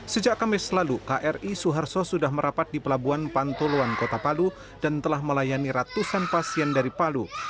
sejak kamis lalu kri suharto sudah merapat di pelabuhan pantoluan kota palu dan telah melayani ratusan pasien dari palu